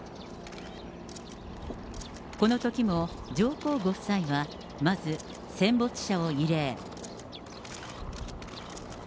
このときも上皇ご夫妻は、まず戦没者を慰霊。